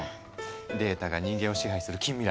データが人間を支配する近未来